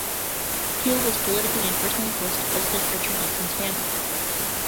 Peale was politically and personally close to President Richard Nixon's family.